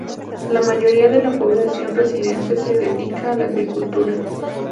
La mayoría de la población residente se dedica a la agricultura.